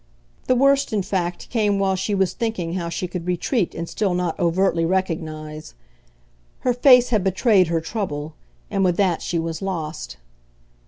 The worst in fact came while she was thinking how she could retreat and still not overtly recognise. Her face had betrayed her trouble, and with that she was lost.